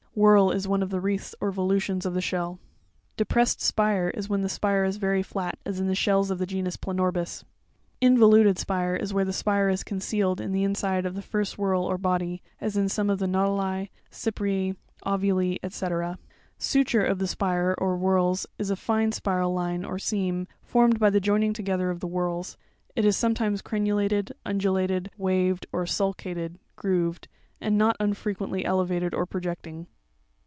Whorl is one of the wreaths or volutions of the shell (fig. 116). Depressed spire is when the spire is very flat, as in the shells of the genus Planorbis (fig. 29, page 42). Involuted spire, is where the spire is concealed in the inside of the first whorl or body, as in some of the Nautili, Cypree, Ovule, &c. (fig. 68). Suture of the spire, or whorls, is a fine spiral line or seam, formed by the joining together of the whorls; it is sometimes crenulated, undulated (waved), or sulcated (grooved), and not unfrequently elevated or projecting (fig.